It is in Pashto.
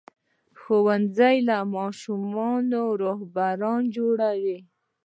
ښوونځی له ماشومانو رهبران جوړوي.